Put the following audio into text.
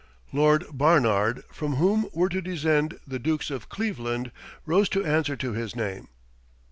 Lord Barnard, from whom were to descend the Dukes of Cleveland, rose to answer to his name.